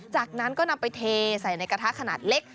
จากนั้นก็นำไปเทใส่ในกระทะขนาดเล็ก